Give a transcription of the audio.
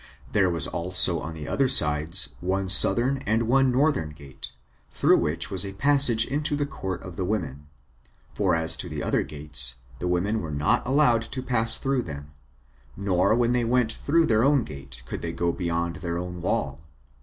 There was also on the other sides one southern and one northern gate, through which was a passage into the court of the women; for as to the other gates, the women were not allowed to pass through them; nor when they went through their own gate could they go beyond their own wall.